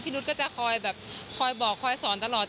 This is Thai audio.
นุษย์ก็จะคอยแบบคอยบอกคอยสอนตลอด